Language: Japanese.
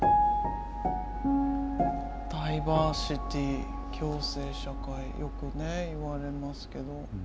ダイバーシティー共生社会よくね言われますけど。